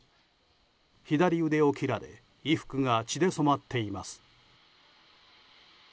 左腕を切られ衣服が血で染まっています。